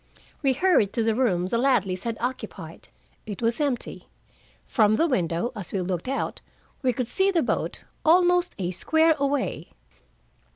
We hurried to the room the Ladleys had occupied. It was empty. From the window, as we looked out, we could see the boat, almost a square away.